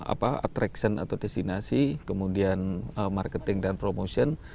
apa attraction atau destinasi kemudian marketing dan promotion